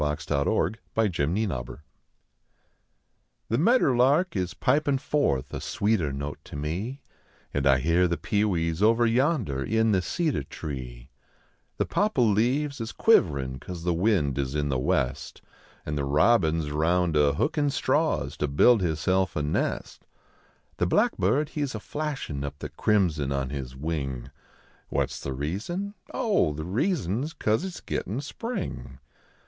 CAUSE IT S GITTIN SPRING The niedder lark is pipin forth a sweeter note to me, And I hear the pewees over yonder in the cedar tree ; The popple leaves is quiv rhr cause the wind is in the west, And the robin s round a hookin straws to build hisself a lies ; The blackbird he s a flashin up the crimson on his wing. What s the reason ? Oh, the reason s cause it s gittin spring.